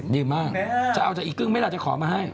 ดีมากจะเอาจากอีกครึ่งไหมล่ะจะขอมาให้